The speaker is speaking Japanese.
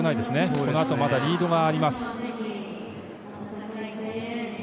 このあとリードがあります。